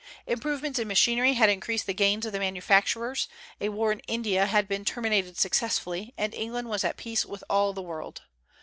Improvements in machinery had increased the gains of the manufacturers; a war in India had been terminated successfully, and England was at peace with all the world.